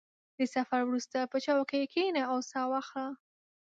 • د سفر وروسته، په چوکۍ کښېنه او سا واخله.